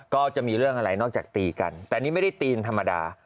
ก็จะมีเรื่องอะไรนอกจากตีกันแต่นี่ไม่ได้ตีกันธรรมดา